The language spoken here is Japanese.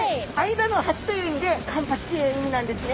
間の八という意味でカンパチという意味なんですね。